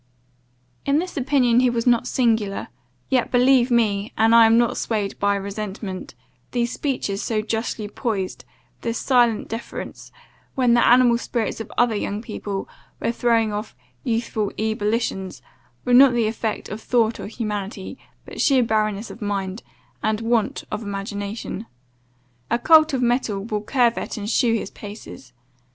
"In this opinion he was not singular; yet, believe me, and I am not swayed by resentment, these speeches so justly poized, this silent deference, when the animal spirits of other young people were throwing off youthful ebullitions, were not the effect of thought or humility, but sheer barrenness of mind, and want of imagination. A colt of mettle will curvet and shew his paces.